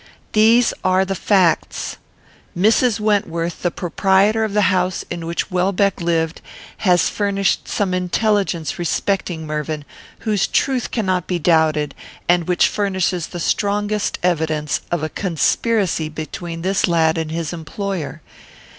These are the facts: "Mrs. Wentworth, the proprietor of the house in which Welbeck lived, has furnished some intelligence respecting Mervyn, whose truth cannot be doubted, and which furnishes the strongest evidence of a conspiracy between this lad and his employer.